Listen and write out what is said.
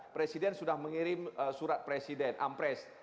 presiden sudah mengirim surat presiden ampres